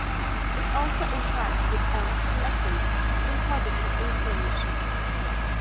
It also interacts with L-selectin, important in inflammation.